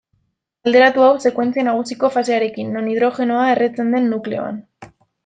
Alderatu hau sekuentzia nagusiko fasearekin, non hidrogenoa erretzen den nukleoan.